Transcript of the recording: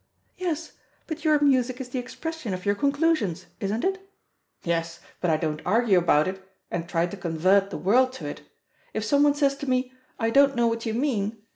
"Yes; but your music is the expression of your conclusions, isn't it?" "Yes, but I don't argue about it, and try to convert the world to it. If someone says to me, 'I don't know what you mean!